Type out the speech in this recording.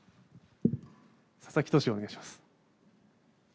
佐々木投手、お願いします。